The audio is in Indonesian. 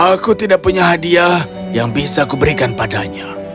aku tidak punya hadiah yang bisa kuberikan padanya